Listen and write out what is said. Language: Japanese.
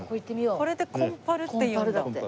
これで「コンパル」っていうんだ。